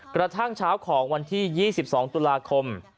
กระทั่งเช้าของวันที่ยี่สิบสองตุลาคม